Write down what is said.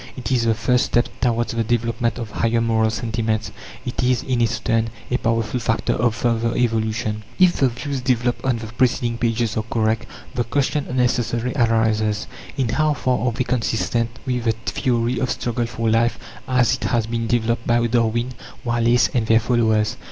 It is the first step towards the development of higher moral sentiments. It is, in its turn, a powerful factor of further evolution. If the views developed on the preceding pages are correct, the question necessarily arises, in how far are they consistent with the theory of struggle for life as it has been developed by Darwin, Wallace, and their followers?